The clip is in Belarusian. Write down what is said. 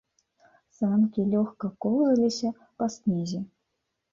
Санкі лёгка коўзаліся па снезе.